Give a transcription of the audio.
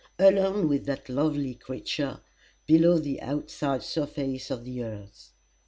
Alone with that lovely creature, below the outside surface of the earth!